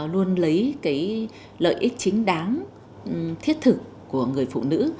luôn lấy cái lợi ích chính đáng thiết thực của người phụ nữ